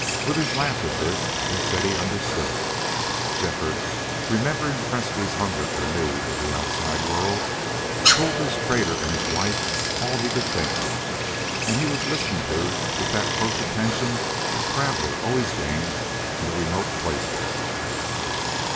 Withers laughed at this and said he understood. Shefford, remembering Presbrey's hunger for news of the outside world, told this trader and his wife all he could think of; and he was listened to with that close attention a traveler always gained in the remote places.